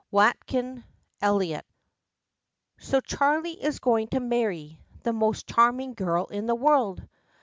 WATKIN ELLIOTT. "So Charley is going to marry 'the most charming girl in the world'!"